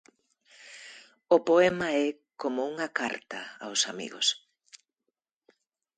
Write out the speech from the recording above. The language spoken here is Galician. O poema é como unha carta aos amigos.